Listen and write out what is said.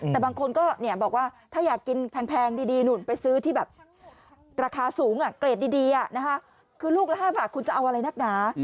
แต่บางคนก็บอกว่าถ้าอยากกินแพงดีนู่นไปซื้อที่แบบราคาสูงเกรดดีคือลูกละ๕บาทคุณจะเอาอะไรนักหนา